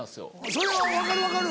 それは分かる分かる。